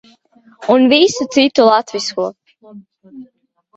Un visu citu latvisko.